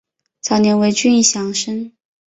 早年为郡庠生。